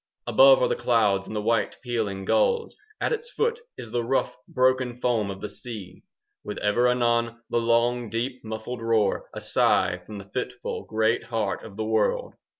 Above are the clouds and the white, pealing gulls, At its foot is the rough broken foam of the sea, 5 With ever anon the long deep muffled roar,— A sigh from the fitful great heart of the world.